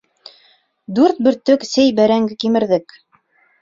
Дүрт бөртөк сей бәрәңге кимерҙек.